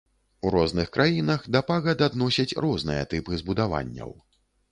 У розных краінах да пагад адносяць розныя тыпы збудаванняў.